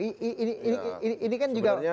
ini kan juga mas ferry